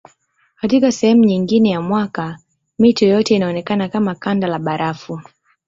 Katika sehemu nyingine ya mwaka mito yote inaonekana kama kanda la barafu.